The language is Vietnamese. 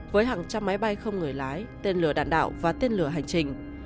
với hàng trăm máy bay không người lái tên lửa đạn đạo và tên lửa hành trình